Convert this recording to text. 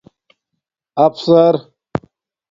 افسر